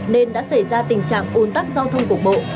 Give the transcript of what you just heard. nên đã xảy ra tình trạng ôn tắc giao thông cổ bộ